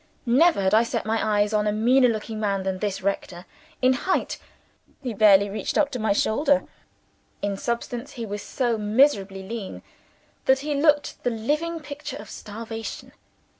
Never had I set my eyes on a meaner looking man than this rector. In height he barely reached up to my shoulder. In substance, he was so miserably lean that he looked the living picture of starvation.